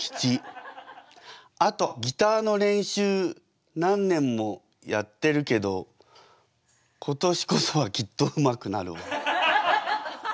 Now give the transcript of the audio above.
あとギターの練習何年もやってるけど今年こそはきっとうまくなるわ」。